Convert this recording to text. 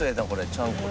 ちゃんこと。